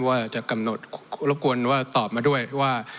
ว่าจะกำหนดรบกวนว่าตอบมาด้วยว่า